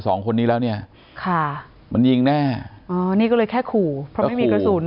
สองคนนี้แล้วเนี่ยค่ะมันยิงแน่อ๋อนี่ก็เลยแค่ขู่เพราะไม่มีกระสุน